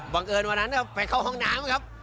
เอิญวันนั้นไปเข้าห้องน้ำครับ